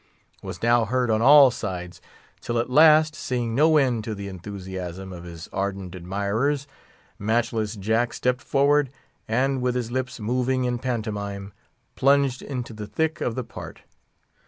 was now heard on all sides, till at last, seeing no end to the enthusiasm of his ardent admirers, Matchless Jack stepped forward, and, with his lips moving in pantomime, plunged into the thick of the part.